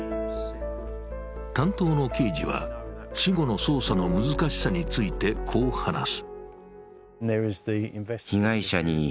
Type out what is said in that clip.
担当の刑事は死後の捜査の難しさについて、こう話す。